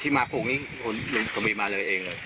อ๋อที่มาบุกนี้คุณลุงกับมีมาเลยเองเลย